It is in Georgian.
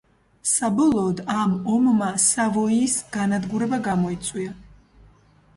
საბოლოოდ ამ ომმა სავოიის განადგურება გამოიწვია.